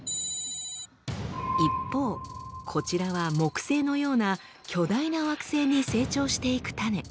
一方こちらは木星のような巨大な惑星に成長していく種。